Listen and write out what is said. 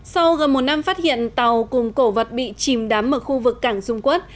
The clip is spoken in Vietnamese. sau gần một năm phát hiện tàu cùng cổ vật bị chìm đắm ở khu vực cảng dung quốc